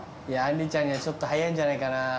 いやあんりちゃんにはちょっと早いんじゃないかな。